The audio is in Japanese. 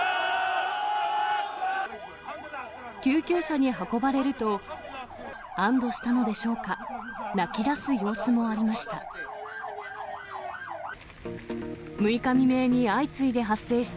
救急車に運ばれると、安どしたのでしょうか、泣きだす様子もありました。